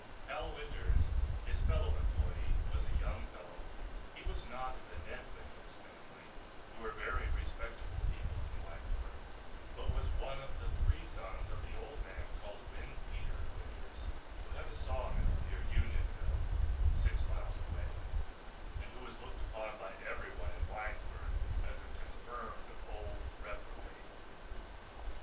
Hal Winters, his fellow employee, was a young fellow. He was not of the Ned Winters family, who were very respectable people in Winesburg, but was one of the three sons of the old man called Windpeter Winters who had a sawmill near Unionville, six miles away, and who was looked upon by everyone in Winesburg as a confirmed old reprobate.